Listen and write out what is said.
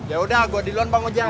yaudah gue duluan bang ojek